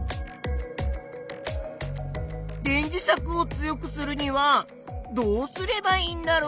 電磁石を強くするにはどうすればいいんだろう？